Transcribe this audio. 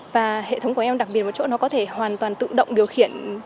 và hệ thống của em đặc biệt ở chỗ nó có thể hoàn toàn tự động điều khiển